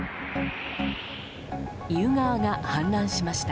意宇川が氾濫しました。